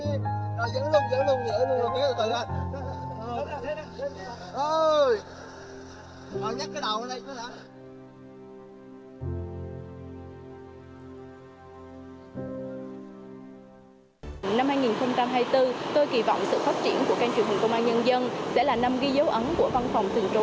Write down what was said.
năm hai nghìn hai mươi bốn tôi kì vọng sự phát triển của kênh truyền hình công an nhân dân